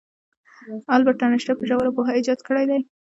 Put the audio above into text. البرت انیشټین په ژوره پوهه ایجاد کړی دی.